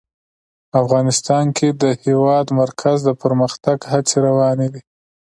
افغانستان کې د د هېواد مرکز د پرمختګ هڅې روانې دي.